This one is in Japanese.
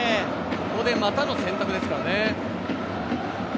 ここで股の選択ですからね。